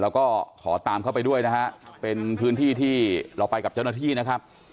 แล้วก็ขอตามเข้าไปด้วยนะฮะเป็นพื้นที่ที่เราไปกับเจ้าหน้าที่นะครับ